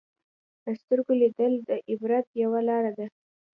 په سترګو لیدل د عبرت یوه لاره ده